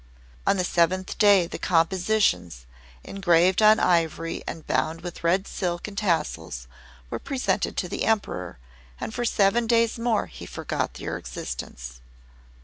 On the seventh day the compositions, engraved on ivory and bound with red silk and tassels, were presented to the Emperor, and for seven days more he forgot their existence.